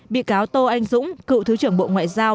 bị cáo tô anh dũng cựu thứ trưởng bộ ngoại giao